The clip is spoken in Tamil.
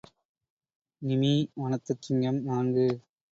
நிமீ வனத்துச் சிங்கம் நான்கு.